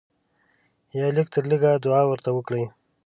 یا لږ تر لږه دعا ورته وکړئ.